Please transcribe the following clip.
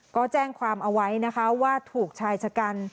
ก็แจ้งความเอาไว้นะคะว่าถูกชายชะกัน